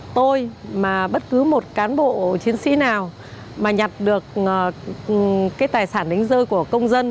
tôi mà bất cứ một cán bộ chiến sĩ nào mà nhặt được cái tài sản đánh rơi của công dân